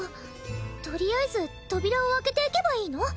とりあえず扉を開けていけばいいの？